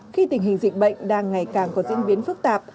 khi tình hình dịch bệnh đang ngày càng có diễn biến phức tạp